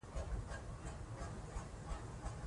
ملالۍ پوښتل سوې ده.